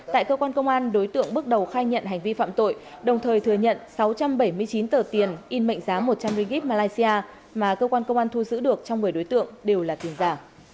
tại cơ quan công an đối tượng bước đầu khai nhận hành vi phạm tội đồng thời thừa nhận sáu trăm bảy mươi chín tờ tiền in mệnh giá một trăm linh regit malaysia mà cơ quan công an thu giữ được trong một mươi đối tượng đều là tiền giả